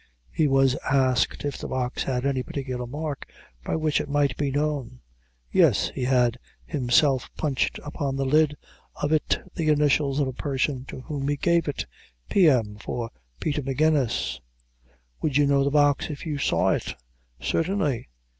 He was asked if the box had any particular mark by which it might be known? "Yes, he had himself punched upon the lid of it the initials of the person to whom he gave it P. M., for Peter Magennis." "Would you know the box if you saw it?" "Certainly!"